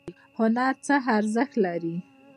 هنر څه ارزښت لري؟